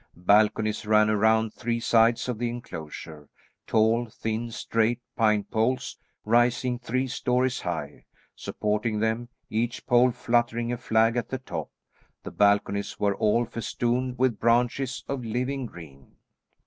Balconies ran around three sides of the enclosure, tall thin, straight pine poles, rising three stories high, supporting them, each pole fluttering a flag at the top. The balconies were all festooned with branches of living green.